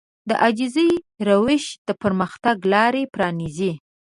د عاجزي روش د پرمختګ لارې پرانيزي.